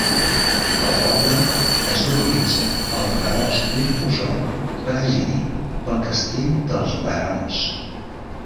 El poble es localitza al redós d'un pujol presidit pel castell dels barons.